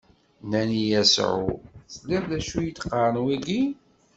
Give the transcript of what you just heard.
Nnan i Yasuɛ: Tesliḍ d acu i d-qqaren wigi?